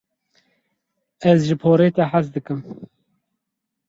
Ez ji porê te hez dikim.